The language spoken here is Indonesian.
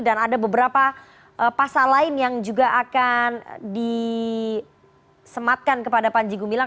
dan ada beberapa pasal lain yang juga akan disematkan kepada panji gumilang